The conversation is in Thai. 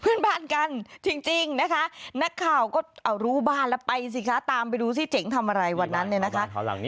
เพื่อนบ้านกันจริงนะคะนักข่าวก็เอารู้บ้านแล้วไปสิคะตามไปดูสิเจ๋งทำอะไรวันนั้นเนี่ยนะคะ